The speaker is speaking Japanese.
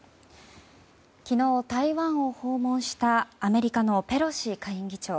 昨日、台湾を訪問したアメリカのペロシ下院議長。